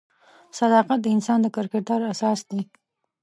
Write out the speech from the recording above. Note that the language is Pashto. صداقت د انسان د کرکټر اساس دی.